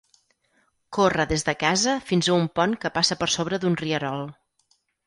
Corre des de casa fins a un pont que passa per sobre d'un rierol.